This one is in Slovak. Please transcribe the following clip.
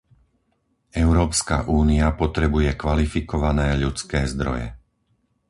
Európska únia potrebuje kvalifikované ľudské zdroje.